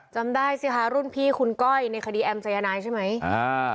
จำได้สิคะรุ่นพี่คุณก้อยในคดีแอมสายนายใช่ไหมอ่า